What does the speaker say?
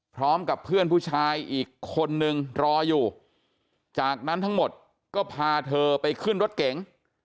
พร้อมกับเพื่อนผู้ชายอีกคนนึงรออยู่จากนั้นทั้งหมดก็พาเธอไปขึ้นรถเก๋ง